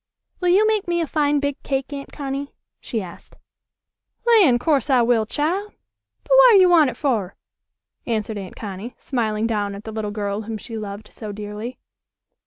"Will you make me a fine big cake, Aunt Connie?" she asked. "Lan', course I will, chile! But, w'at you wan' it fer?" answered Aunt Connie, smiling down at the little girl whom she loved so dearly.